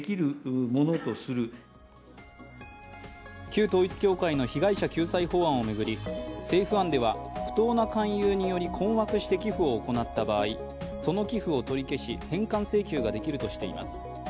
旧統一教会の被害者救済法案を巡り、政府案では不当な勧誘により困惑して寄付を行った場合、その寄付を取り消し、返還請求ができるとしています。